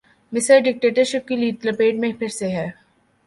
مصر ڈکٹیٹرشپ کی لپیٹ میں پھر سے ہے۔